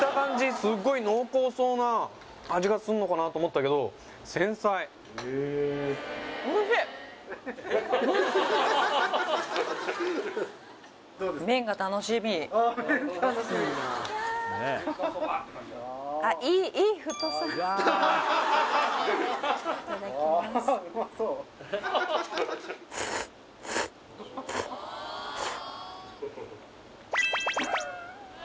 すっごい濃厚そうな味がすんのかなと思ったけど繊細おいしいキャーいただきます